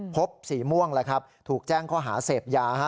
สีม่วงแล้วครับถูกแจ้งข้อหาเสพยา